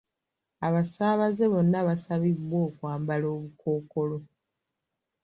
Abasaabaze bonna basabibwa okwambala obukookolo.